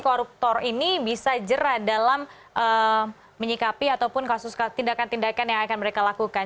koruptor ini bisa jerah dalam menyikapi ataupun kasus tindakan tindakan yang akan mereka lakukan